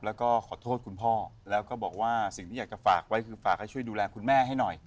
แล้วก็ขอโทษคุณพ่อแล้วก็บอกว่าสิ่งที่อยากจะฝากไว้คือฝากให้ช่วยดูแลคุณแม่ให้หน่อย